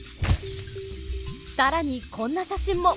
更にこんな写真も！